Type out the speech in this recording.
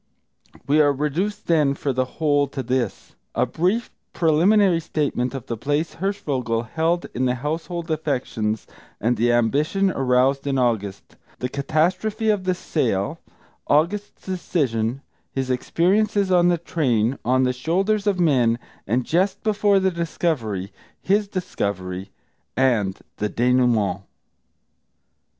We are reduced, then, for the whole, to this: a brief preliminary statement of the place Hirschvogel held in the household affections, and the ambition aroused in August; the catastrophe of the sale; August's decision; his experiences on the train, on the shoulders of men, and just before the discovery; his discovery, and the dénouement.